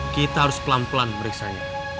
kita harus pelan pelan memeriksa ini